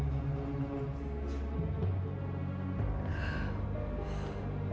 terima kasih samamu